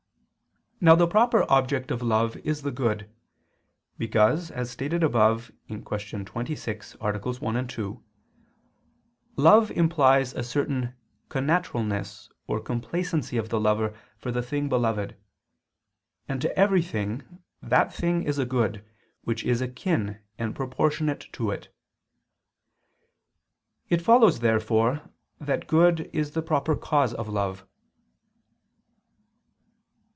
Now the proper object of love is the good; because, as stated above (Q. 26, AA. 1, 2), love implies a certain connaturalness or complacency of the lover for the thing beloved, and to everything, that thing is a good, which is akin and proportionate to it. It follows, therefore, that good is the proper cause of love.